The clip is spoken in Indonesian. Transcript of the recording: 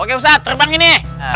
oke ustadz terbang ini